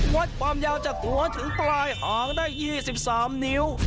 วดความยาวจากหัวถึงปลายหางได้ยี่สิบสามนิ้ว